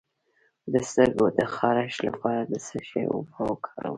د سترګو د خارښ لپاره د څه شي اوبه وکاروم؟